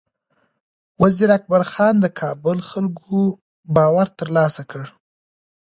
وزیر اکبر خان د کابل خلکو باور ترلاسه کړ.